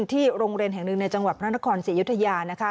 ที่โรงเรียนแห่งหนึ่งในจังหวัดพระนครศรีอยุธยานะคะ